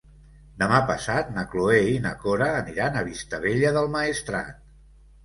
Demà passat na Cloè i na Cora aniran a Vistabella del Maestrat.